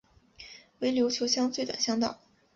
为琉球乡最短乡道。